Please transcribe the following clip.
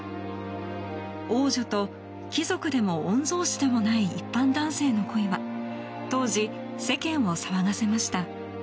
王女と貴族でも御曹司でも一般男性の恋は当時、世間を騒がせました。